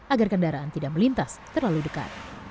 agar kendaraan tidak melintas terlalu dekat